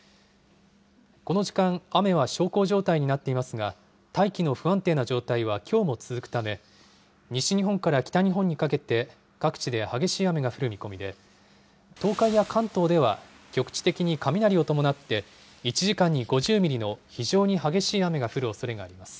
この時間、雨は小康状態になっていますが、大気の不安定な状態はきょうも続くため、西日本から北日本にかけて、各地で激しい雨が降る見込みで、東海や関東では、局地的に雷を伴って１時間に５０ミリの非常に激しい雨が降るおそれがあります。